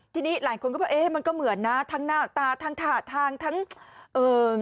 ทีนี้หลายคนก็บอกเอ๊ะมันก็เหมือนนะทั้งหน้าตาทั้งท่าทางทั้งเอ่อ